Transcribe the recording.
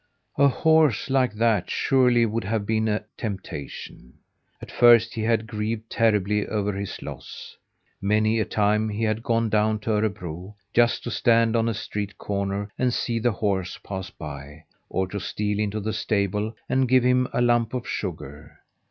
A horse like that surely would have been a temptation. At first he had grieved terribly over his loss. Many a time he had gone down to Örebro, just to stand on a street corner and see the horse pass by, or to steal into the stable and give him a lump of sugar.